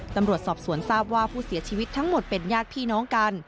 ตำรวจสอบสวนทราบว่าผู้เสียชีวิตทั้งหมดเป็นญาติพี่น้องกัน